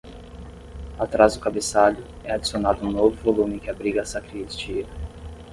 Atrás do cabeçalho, é adicionado um novo volume que abriga a sacristia.